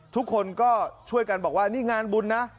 ทุกคนก็ช่วยกันบอกว่านี่งานบุญนะ